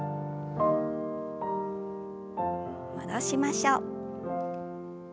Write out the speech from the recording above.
戻しましょう。